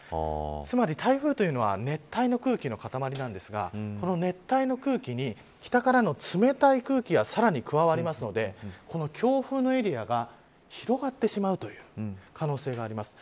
つまり台風というのは熱帯の空気の固まりなんですがこの熱帯の空気に、北からの冷たい空気がさらに加わるのでこの強風のエリアが広がってしまうという可能性があります。